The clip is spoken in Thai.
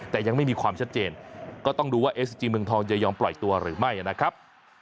แต่ยังไม่มีความชัดเจนก็ต้องดูว่าเอสจีเมืองทองจะยอมปล่อยตัวหรือไม่นะครับ